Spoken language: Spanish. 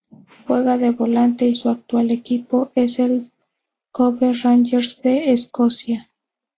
Juega de volante y su actual equipo es el Cove Rangers de Escocia.